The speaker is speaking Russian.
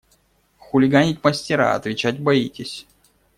Хулиганить мастера, а отвечать боитесь!